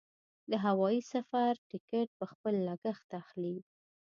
د هوايي سفر ټکټ په خپل لګښت اخلي.